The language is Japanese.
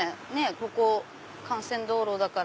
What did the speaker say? ここ幹線道路だから。